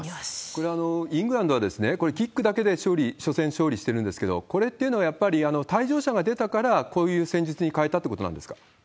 これ、イングランドは、これ、キックだけで勝利、初戦勝利してるんですけど、これっていうのは、やっぱり退場者が出たから、こういう戦術に変えたってことなんですか？